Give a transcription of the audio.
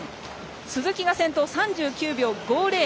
鈴木が先頭３９秒５０。